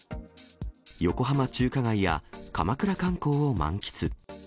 横浜中華街や鎌倉観光を満喫。